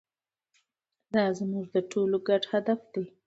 دا زموږ د ټولو ګډ هدف دی.